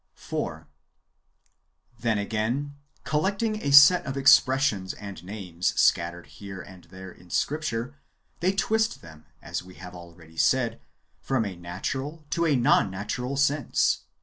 4. Then, again, collecting a set of expressions and names scattered here and there [in Scripture], they twist them, as we have already said, from a natural to a non natural sense.